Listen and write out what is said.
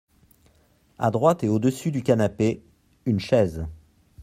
À droite et au-dessus du canapé, une chaise.